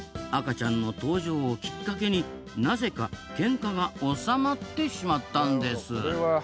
赤ちゃんの登場をきっかけになぜかけんかが収まってしまったんです。